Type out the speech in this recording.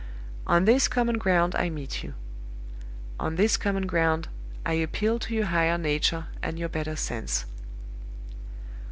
"On this common ground I meet you. On this common ground I appeal to your higher nature and your better sense.